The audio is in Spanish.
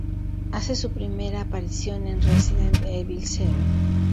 Hace su primera aparición en Resident Evil Zero.